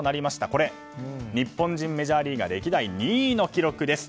これ、日本人メジャーリーガー歴代２位の記録です。